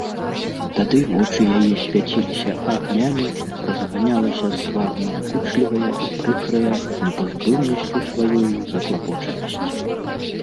Тады вочы яе свяціліся агнямі, разганялася з твару надакучлівая і прыкрая непазбыўнасцю сваёю заклапочанасць.